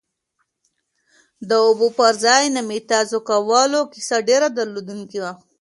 د اوبو پر ځای د متیازو کولو کیسه ډېره دردونکې وه.